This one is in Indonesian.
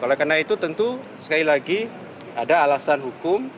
oleh karena itu tentu sekali lagi ada alasan hukum